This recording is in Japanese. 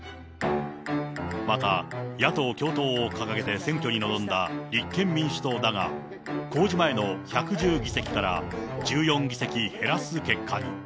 また、野党共闘を掲げて選挙に臨んだ立憲民主党だが、公示前の１１０議席から１４議席減らす結果に。